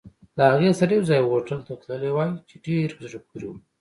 له هغې سره یوځای هوټل ته تللی وای، چې ډېر په زړه پورې وو.